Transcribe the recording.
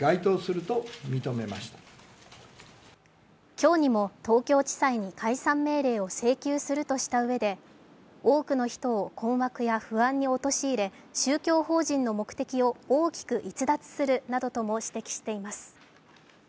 今日にも東京地裁に解散命令を請求するとしたうえで多くの人を困惑や不安に陥れ、宗教法人の目的を大きく逸脱するなどとも指摘しています。